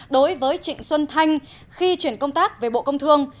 đối với trịnh xuân thanh khi chuyển công tác về bộ công thương